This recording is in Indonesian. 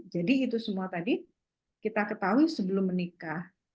jadi itu semua tadi kita ketahui sebelum menikah